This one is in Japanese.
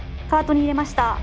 カートに入れました。